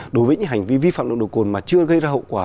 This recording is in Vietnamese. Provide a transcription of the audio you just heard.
đối với những hành vi vi phạm nồng độ cồn mà chưa gây ra hậu quả